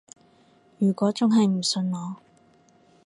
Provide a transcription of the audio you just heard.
如果仲係唔信我